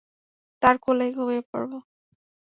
তার কোলে ঘুমিয়ে পড়ব।